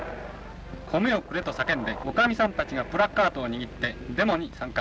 米をくれと叫んでおかみさんたちがプラカードを握ってデモに参加。